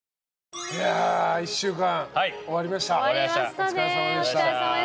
お疲れさまでした。